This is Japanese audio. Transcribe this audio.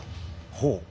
ほう。